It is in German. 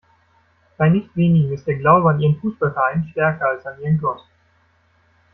Bei nicht wenigen ist der Glaube an ihren Fußballverein stärker als an ihren Gott.